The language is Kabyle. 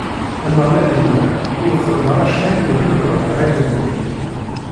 Ameɣlal inna: Ur xeddmeɣ acemma i wudem n ṛebɛin-nni.